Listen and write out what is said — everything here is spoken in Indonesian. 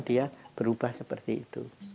dia berubah seperti itu